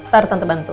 ntar tante bantu